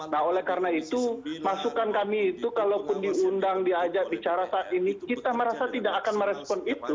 nah oleh karena itu masukan kami itu kalaupun diundang diajak bicara saat ini kita merasa tidak akan merespon itu